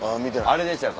あれでしたよ